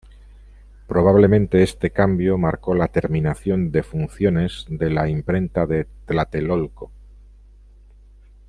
Probablemente este cambio marcó la terminación de funciones de la imprenta de Tlatelolco.